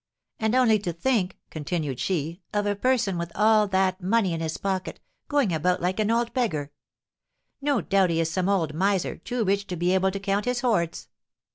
"And only to think," continued she, "of a person, with all that money in his pocket, going about like an old beggar! No doubt he is some old miser, too rich to be able to count his hoards.